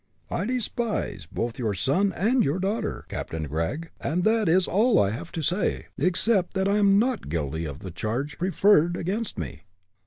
I despise both your son and your daughter, Captain Gregg, and that is all I have to say, except that I am not guilty of the charge preferred against me."